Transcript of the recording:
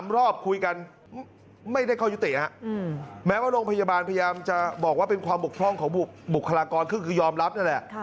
๓รอบคุยกันไม่ได้เข้ายุติแม้ว่าโรงพยาบาลพยายามจะบอกว่าเป็นความบกพร่องของบุคลากรคือยอมรับนั่นแหละ